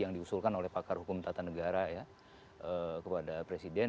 yang diusulkan oleh pakar hukum tata negara ya kepada presiden